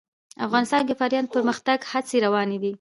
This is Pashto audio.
افغانستان کې د فاریاب د پرمختګ هڅې روانې دي.